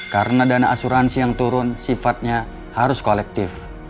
karena dana asuransi yang turun sifatnya harus kolektif